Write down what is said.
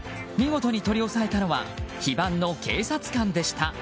見事に取り押さえたのは非番の警察官でした。